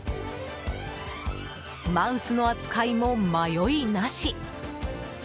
マウスの扱いも迷いなし。